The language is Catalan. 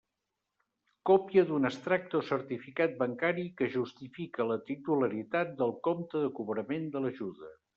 Còpia d'un extracte o certificat bancari que justifique la titularitat del compte de cobrament de l'ajuda.